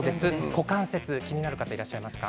股関節、気になる方いらっしゃいますか？